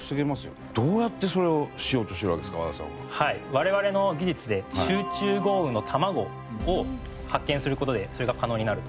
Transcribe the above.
我々の技術で集中豪雨のたまごを発見する事でそれが可能になると。